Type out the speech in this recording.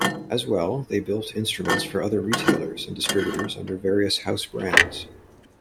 As well, they built instruments for other retailers and distributors under various house brands.